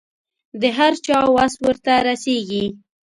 د هر چا وس ورته رسېږي.